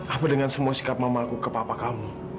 apa dengan semua sikap mamaku ke papa kamu